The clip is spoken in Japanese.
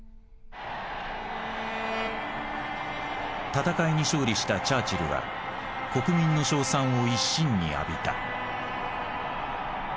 戦いに勝利したチャーチルは国民の称賛を一身に浴びた。